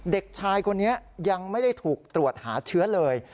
เด็กชายคนนี้ยังไม่ได้ถูกตรวจหาเชื้อเลย